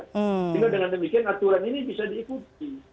sehingga dengan demikian aturan ini bisa diikuti